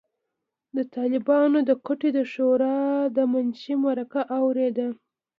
د طالبانو د کوټې د شورای د منشي مرکه اورېده.